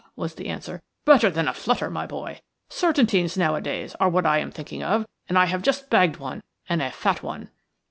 was the answer. "Better than a flutter, my boy. Certainties nowadays are what I am thinking of, and I have just bagged one, and a fat one."